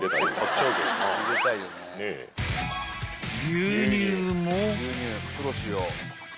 ［牛乳も］